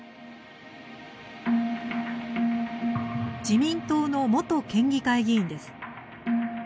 自民党の元県議会議員です。